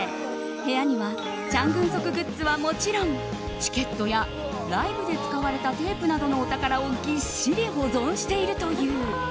部屋にはチャン・グンソクグッズはもちろんチケットやライブで使われたテープなどのお宝をぎっしり保存しているという。